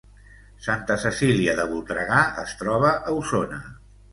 Santa Cecília de Voltregà es troba a Osona